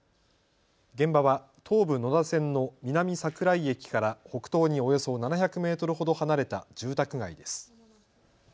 現場は東武野田線の南桜井駅から北東におよそ７００メートルほど離れた住宅街です。